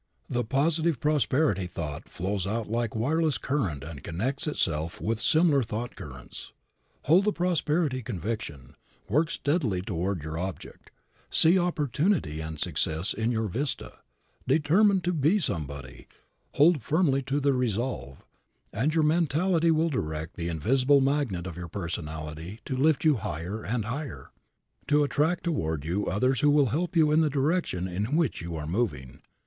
The positive prosperity thought flows out like a wireless current and connects itself with similar thought currents. Hold the prosperity conviction, work steadily toward your object; see opportunity and success in your vista, determine to be somebody, hold firmly to the resolve, and your mentality will direct the invisible magnet of your personality to lift you higher and higher, to attract toward you others who will help you in the direction in which you are moving.